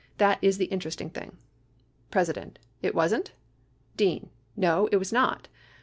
That is the interesting thing. President. It wasn't? Dean. No it was not.